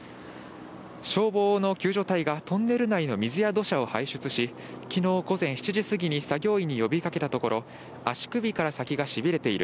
消防の救助隊がトンネル内の水や土砂を排除し、昨日午後７時過ぎに作業員に呼びかけたところ、足首から先がしびれている。